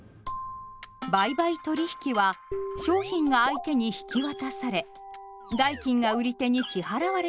「売買取引」は商品が相手に引き渡され代金が売り手に支払われて完結します。